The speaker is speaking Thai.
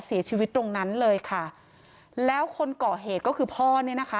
เสียชีวิตตรงนั้นเลยค่ะแล้วคนก่อเหตุก็คือพ่อเนี่ยนะคะ